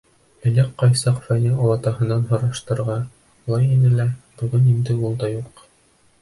Элек ҡай саҡ Фәнил олатаһынан һораштырғылай ине лә, бөгөн инде ул да юҡ.